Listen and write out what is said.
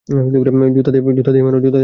জুতা দিয়ে মারো।